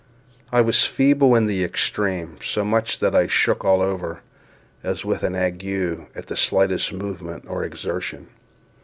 I was feeble in the extreme—so much so that I shook all over, as with an ague, at the slightest movement or exertion.